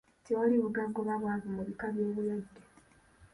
Tewali bugagga oba bwavu mu bika by'obulwadde.